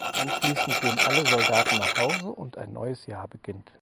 Anschließend gehen alle Soldaten nach Hause und ein neues Jahr beginnt.